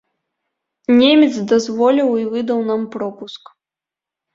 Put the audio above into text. Немец дазволіў і выдаў нам пропуск.